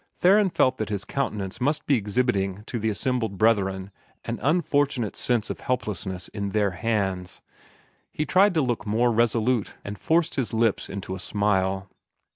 Theron felt that his countenance must be exhibiting to the assembled brethren an unfortunate sense of helplessness in their hands. He tried to look more resolute, and forced his lips into a smile.